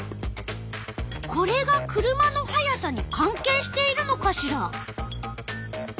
これが車の速さに関係しているのかしら。